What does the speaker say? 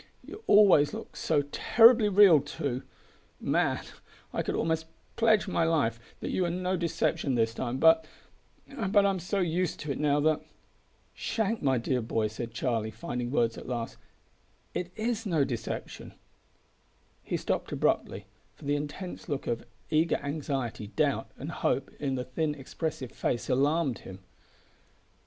You always look so terribly real too! Man, I could almost pledge my life that you are no deception this time, but but I'm so used to it now that " "Shank, my dear boy," said Charlie, finding words at last, "it is no deception " He stopped abruptly; for the intense look of eager anxiety, doubt, and hope in the thin expressive face alarmed him.